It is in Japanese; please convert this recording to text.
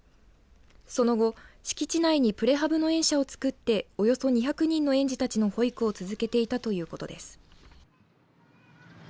その後、敷地内にプレハブの園舎をつくっておよそ２００人の園児たちの保育を続けていたということです。